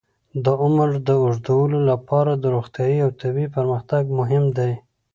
د عمر د اوږدولو لپاره روغتیايي او طبي پرمختګ مهم دی.